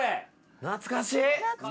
懐かしい。